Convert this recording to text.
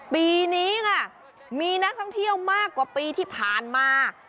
ปีนี้ค่ะมีนักท่องเที่ยวมากกว่าปีที่ผ่านมา